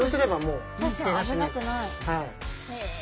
確かに危なくない。